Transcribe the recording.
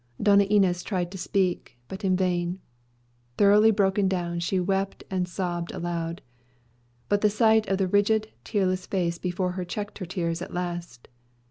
Doña Inez tried to speak; but in vain. Thoroughly broken down, she wept and sobbed aloud. But the sight of the rigid, tearless face before her checked her tears at last.